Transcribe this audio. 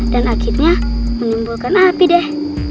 dan akhirnya menyumbulkan api deh